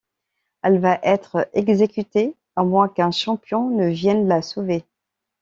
Elle va être exécutée à moins qu'un champion ne vienne la sauver.